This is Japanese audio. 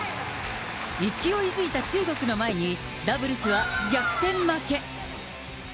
勢いづいた中国の前に、ダブルスは逆転負け。